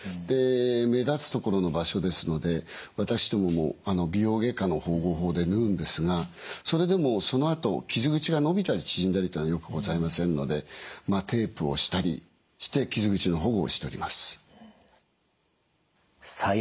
目立つところの場所ですので私どもも美容外科の縫合法で縫うんですがそのあと傷口が伸びたり縮んだりというのはよくございませんのでテープをしたりして傷口の保護をしております。